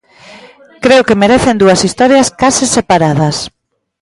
Creo que merecen dúas historias case separadas.